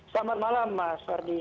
selamat malam mas verdi